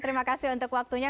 terima kasih untuk waktunya